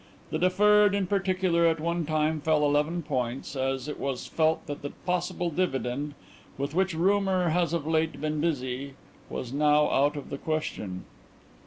The Deferred in particular at one time fell eleven points as it was felt that the possible dividend, with which rumour has of late been busy, was now out of the question.'"